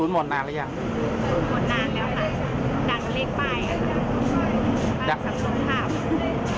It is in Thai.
หมดนานแล้วค่ะดังเลขป้ายกันนะ